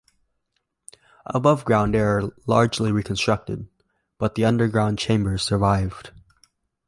Above ground they are largely reconstructed, but the underground chambers survived.